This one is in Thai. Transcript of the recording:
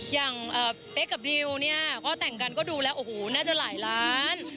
อย่างเป๊กกับดิวเนี่ยพอแต่งกันก็ดูแล้วโอ้โหน่าจะหลายล้าน